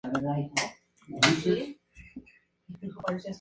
Los títulos nobiliarios tienen, en su mayor parte, carácter hereditario.